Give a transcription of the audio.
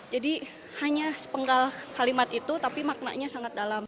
jadi hanya sepenggal kalimat itu tapi maknanya sangat dalam